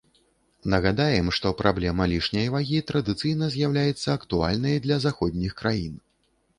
Нагадаем, што праблема лішняй вагі традыцыйна з'яўляецца актуальнай для заходніх краін.